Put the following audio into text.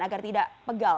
agar tidak pegal